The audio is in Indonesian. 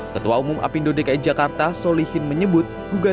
ketua umum apindo dki jakarta solihin menyebut